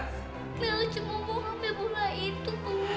lalu cuman mau ambil bola itu